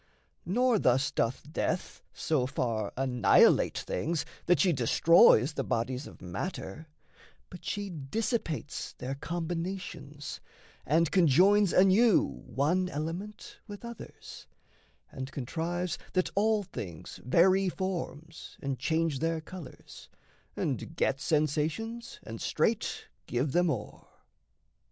Nor thus doth death So far annihilate things that she destroys The bodies of matter; but she dissipates Their combinations, and conjoins anew One element with others; and contrives That all things vary forms and change their colours And get sensations and straight give them o'er.